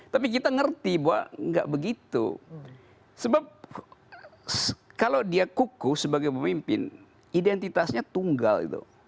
tapi kita ngerti bahwa nggak begitu sebab kalau dia kuku sebagai pemimpin identitasnya tunggal itu